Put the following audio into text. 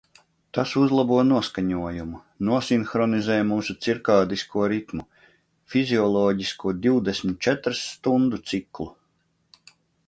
Tas uzlabo noskaņojumu, nosinhronizē mūsu cirkādisko ritmu – fizioloģisko divdesmit četras stundu ciklu.